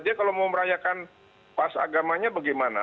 dia kalau mau merayakan pas agamanya bagaimana